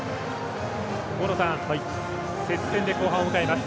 大野さん、接戦で後半を迎えます。